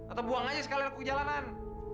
atau buang aja sekalian aku ke jalanan